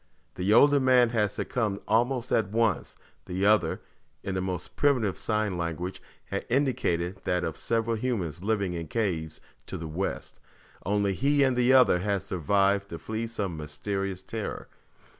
The older man had succumbed almost at once; the other, in the most primitive sign language, had indicated that, of several humans living in caves to the west, only he and the other had survived to flee some mysterious terror.